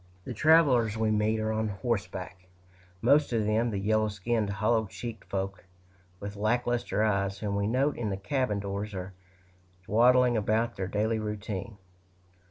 The travelers we meet are on horseback most of them the yellow skinned, hollow cheeked folk, with lack luster eyes, whom we note in the cabin doors, or dawdling about their daily routine.